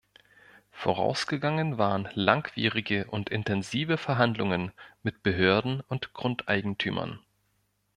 Vorausgegangen waren langwierige und intensive Verhandlungen mit Behörden und Grundeigentümern.